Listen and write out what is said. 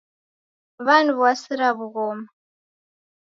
W'aniw'asira w'ughoma